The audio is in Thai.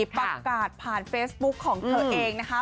ประกาศผ่านเฟซบุ๊คของเธอเองนะคะ